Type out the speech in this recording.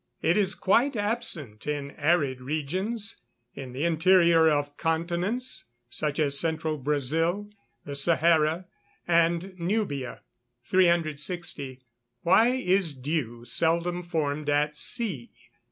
_ It is quite absent in arid regions, in the interior of continents, such as Central Brazil, the Sahara, and Nubia. 360. _Why is dew seldom formed at sea?